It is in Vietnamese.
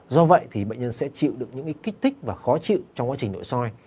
do vậy thì bệnh nhân sẽ chịu được những kích thích và khó chịu trong quá trình nội soi